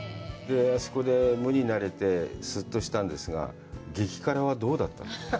あそこで無になれて、スッとしたんですが、激辛はどうだったの？